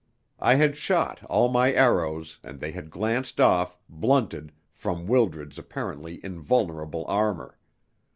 I had shot all my arrows, and they had glanced off, blunted, from Wildred's apparently invulnerable armour.